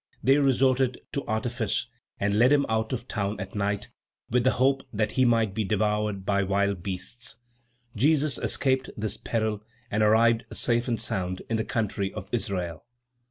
They resorted to artifice, and led him out of town at night, with the hope that he might be devoured by wild beasts. Jesus escaped this peril and arrived safe and sound in the country of Israel.